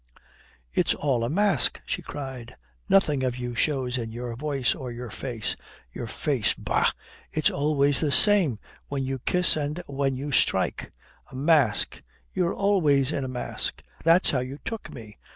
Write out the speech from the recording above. "It's all a mask!" she cried. "Nothing of you shows in your voice or your face your face, bah, it's always the same, when you kiss and when you strike. A mask! You're always in a mask. That's how you took me.